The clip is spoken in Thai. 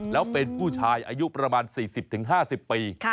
แล้วเป็นผู้ชายอายุประมาณ๔๐๕๐ปี